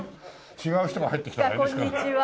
違う人が入ってきたらあれですから。